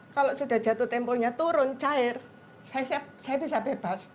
kalau sudah jatuh temponya turun cair saya bisa bebas